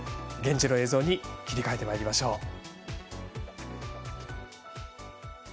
現地の映像に切り替えてまいりましょう。